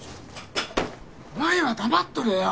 お前は黙っとれよ。